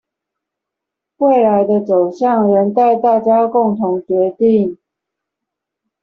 未來的走向仍待大家共同決定